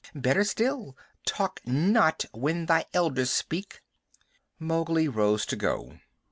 Better still, talk not when thy elders speak." Mowgli rose to go.